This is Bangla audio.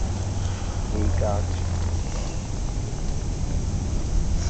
এই গাছ লম্বা হয়ে থাকে।